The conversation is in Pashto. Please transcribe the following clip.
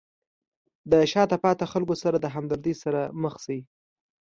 د شاته پاتې خلکو سره د همدردۍ سره مخ شئ.